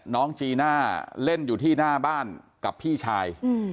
น้องจีน่าเล่นอยู่ที่หน้าบ้านกับพี่ชาย